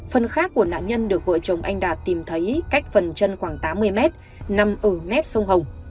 phần khác của nạn nhân được vợ chồng anh đạt tìm thấy cách phần chân khoảng tám mươi mét nằm ở mép sông hồng